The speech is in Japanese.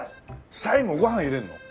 最後ご飯入れるの？